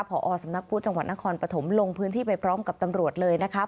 พอสำนักพุทธจังหวัดนครปฐมลงพื้นที่ไปพร้อมกับตำรวจเลยนะคะ